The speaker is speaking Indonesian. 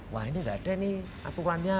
wah ini tidak ada nih aturannya